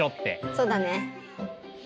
そうだね。